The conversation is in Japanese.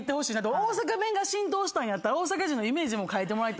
大阪弁が浸透したんやったら大阪人のイメージも変えてもらいたいんだ。